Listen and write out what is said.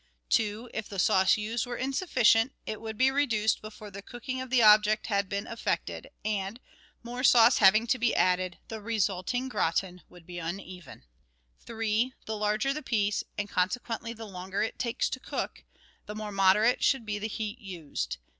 2. If the sauce used were insufficient, it would be reduced before the cooking of the object had been effected, and, more sauce having to be added, the resulting gratin would be uneven. 3. The larger the piece, and consequently the longer it takes to cook, the more moderate should be the heat used.